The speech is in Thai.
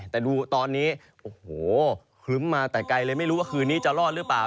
แต่ดูตอนนี้โอ้โหคลึ้มมาแต่ไกลเลยไม่รู้ว่าคืนนี้จะรอดหรือเปล่า